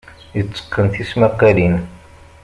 Yetteqqen tismaqqalin.